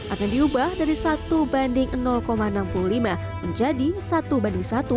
akan diubah dari satu banding enam puluh lima menjadi satu banding satu